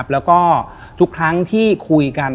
แล้วก็ทุกครั้งที่คุยกัน